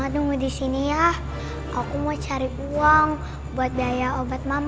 tunggu di sini ya aku mau cari uang buat daya obat mama